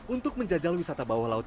untuk menjajal wisata bawah laut